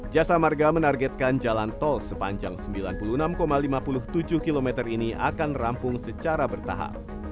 jasa marga menargetkan jalan tol sepanjang sembilan puluh enam lima puluh tujuh km ini akan rampung secara bertahap